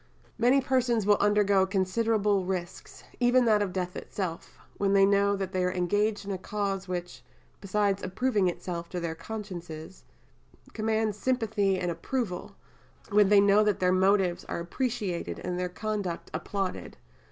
Many persons will undergo considerable risks, even that of death itself, when they know that they are engaged in a cause which, besides approving itself to their consciences, commands sympathy and approval, when they know that their motives are appreciated and their conduct applauded.